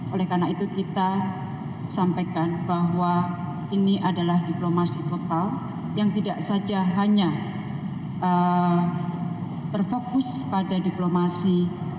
oleh karena itu kita sampaikan bahwa ini adalah diplomasi total yang tidak saja hanya terfokus pada diplomasi